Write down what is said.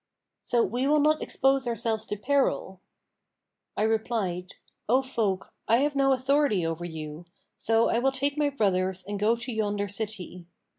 So we will not expose ourselves to peril.' I replied, 'O folk, I have no authority over you; so I will take my brothers and go to yonder city.'